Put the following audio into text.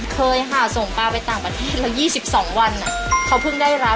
เคยค่ะส่งปลาไปต่างประเทศแล้ว๒๒วันเขาเพิ่งได้รับ